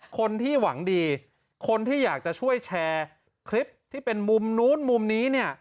คนที่หวังดีคนที่อยากจะช่วยแชร์คลิปที่เป็นมุมนู้นมุมนี้เนี่ย